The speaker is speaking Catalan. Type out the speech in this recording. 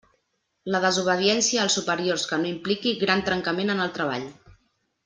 La desobediència als superiors que no impliqui gran trencament en el treball.